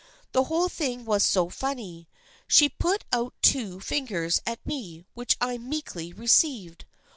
The whole thing was so funny. She put out two fingers at me which I meekly received.